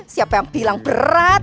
siapa yang bilang berat